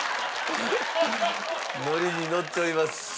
のりにのっております。